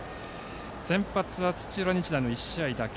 先発は土浦日大の１試合だけ。